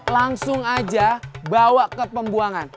langsung aja bawa ke pembuangan